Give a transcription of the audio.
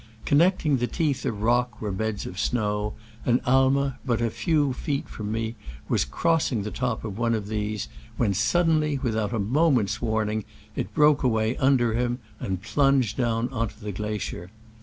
Connecting the teeth of rock were beds of snow, and Aimer, but a few feet from me, was crossing the top of one of these, when suddenly, without a moment's warning, it broke away under him and plunged down on to the glacier.